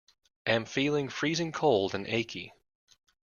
Am feeling freezing cold and achy.